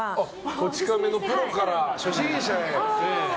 「こち亀」のプロから初心者へ。